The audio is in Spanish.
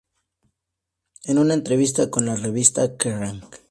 En una entrevista con la revista "Kerrang!